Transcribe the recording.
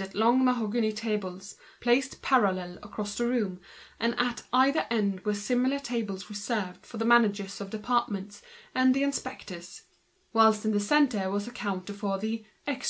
There were long mahogany tables, placed parallel across the room, and at either end were similar tables reserved for the managers of departments and the inspectors; whilst in the centre was a counter for the extras.